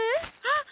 あっ！